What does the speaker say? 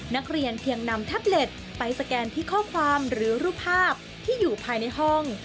นักเรียนเพียงนำแท็บเล็ตไปสแกนที่ข้อความหรือรูปภาพที่อยู่ภายในห้อง